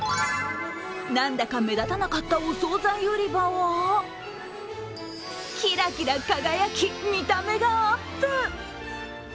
なんだか目立たなかったお総菜売り場はキラキラ輝き、見た目がアップ。